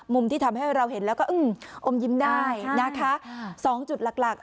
ที่ทำให้เราเห็นแล้วก็อึ้งอมยิ้มได้นะคะสองจุดหลักหลัก